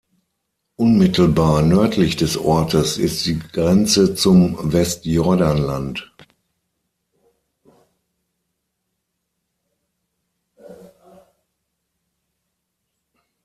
Unmittelbar nördlich des Ortes ist die Grenze zum Westjordanland.